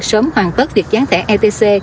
sớm hoàn tất việc dán thẻ etc